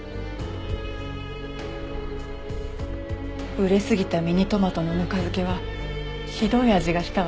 熟れすぎたミニトマトのぬか漬けはひどい味がしたわ。